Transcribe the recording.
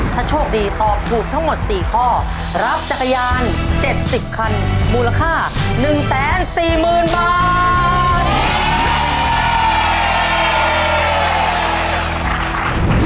ถ้าโชคดีตอบถูกทั้งหมด๔ข้อรับจักรยาน๗๐คันมูลค่า๑๔๐๐๐บาท